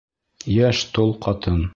Йәш тол ҡатын.